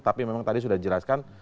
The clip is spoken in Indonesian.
tapi memang tadi sudah dijelaskan